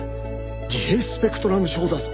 自閉スペクトラム症だぞ。